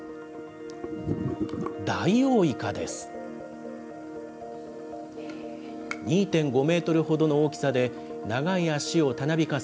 ダイオウイカです。